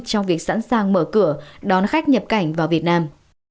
trong việc sẵn sàng mở cửa đón khách nhập cảnh vào việt nam